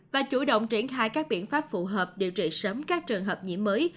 và chủ động triển khai các biện pháp phù hợp điều trị sớm các trường hợp nhiễm mới